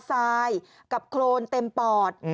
ทรายกับโครนเต็มปอด